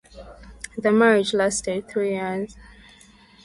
The marriage lasted three years.